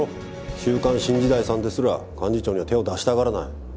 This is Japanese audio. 「週刊新時代」さんですら幹事長には手を出したがらない。